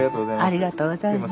ありがとうございます。